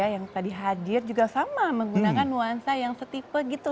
yang tadi hadir juga sama menggunakan nuansa yang setipe gitu